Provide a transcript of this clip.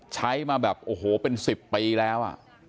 ใช้มาแบบโอ้โหเป็น๑๐ปีแล้ว